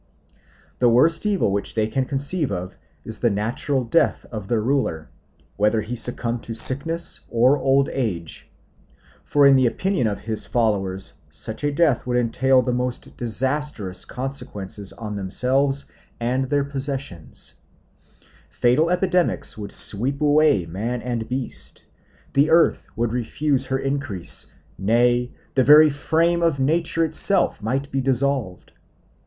The worst evil which they can conceive of is the natural death of their ruler, whether he succumb to sickness or old age, for in the opinion of his followers such a death would entail the most disastrous consequences on themselves and their possessions; fatal epidemics would sweep away man and beast, the earth would refuse her increase, nay, the very frame of nature itself might be dissolved.